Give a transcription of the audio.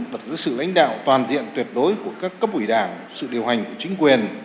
là sự lãnh đạo toàn diện tuyệt đối của các cấp ủy đảng sự điều hành của chính quyền